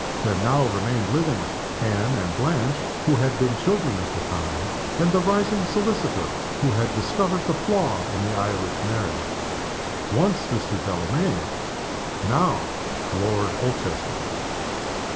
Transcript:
There now remained living Anne and Blanche, who had been children at the time; and the rising solicitor who had discovered the flaw in the Irish marriage once Mr. Delamayn: now Lord Holchester.